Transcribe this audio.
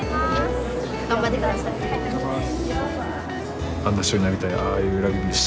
頑張って下さい。